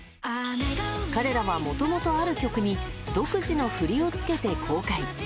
彼らはもともとある曲に独自の振りを付けて公開。